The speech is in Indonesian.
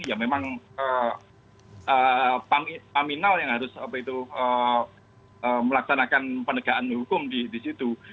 ya memang paminal yang harus melaksanakan penegaan hukum disitu